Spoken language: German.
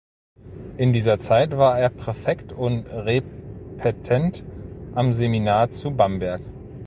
In dieser Zeit war er Präfekt und Repetent am Seminar zu Bamberg.